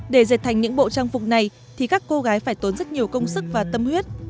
để dệt thành những bộ trang phục này thì các cô gái phải tốn rất nhiều công sức và tâm huyết